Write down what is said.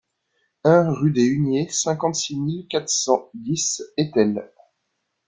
un rue des Huniers, cinquante-six mille quatre cent dix Étel